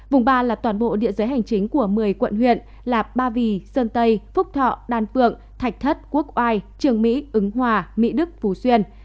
vùng ba là toàn bộ địa giới hành chính của một mươi quận huyện là ba vì sơn tây phúc thọ đan phượng thạch thất quốc oai trường mỹ ứng hòa mỹ đức phú xuyên